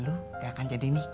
jalur yang di naik